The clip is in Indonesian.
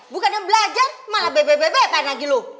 bukan yang belajar malah bbbb pak nagilu